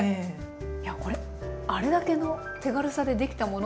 いやこれあれだけの手軽さでできたものとは思えない。